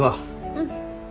うん。